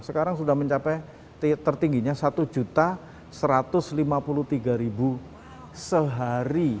sekarang sudah mencapai tertingginya satu satu ratus lima puluh tiga sehari